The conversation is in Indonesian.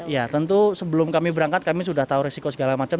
ya tentu sebelum kami berangkat kami sudah tahu resiko segala macam